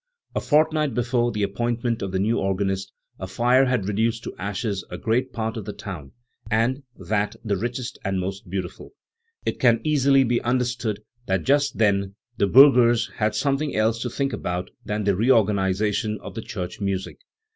A fortnight before the appointment of the new organist, a fire had reduced to ashes a great part of the town, and that the richest and most beautiful. It can easily be understood that just then the burghers had something else to think about than the reorganisation of the church music.